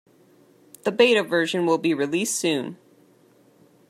The Beta version will be released soon.